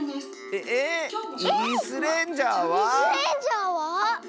えっ⁉「イスレンジャー」は？